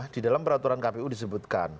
di dalam peraturan kpu disebutkan